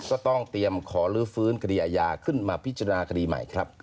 ก็ต้องเตรียมขอลื้อฟื้นคดีอาญาขึ้นมาพิจารณาคดีใหม่ครับ